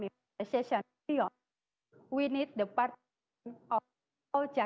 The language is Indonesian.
yang memiliki penggunaan lebih dari lima juta